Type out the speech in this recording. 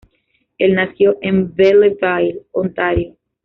Él nació en Belleville, Ontario.